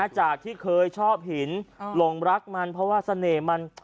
จากที่เคยชอบหินหลงรักมันเพราะว่าเสน่ห์มัน